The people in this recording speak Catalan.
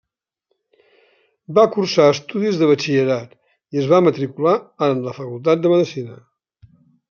Va cursar estudis de batxillerat i es va matricular en la facultat de medicina.